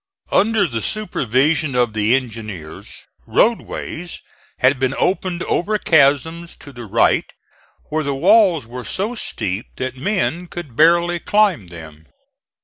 Under the supervision of the engineers, roadways had been opened over chasms to the right where the walls were so steep that men could barely climb them.